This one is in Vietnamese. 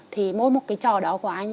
thì mỗi một trò đó của anh